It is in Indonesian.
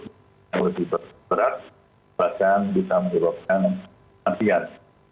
menurut saya berat bahkan bisa menyebabkan nantian